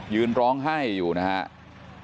ยืนร้องไห้อยู่นะครับ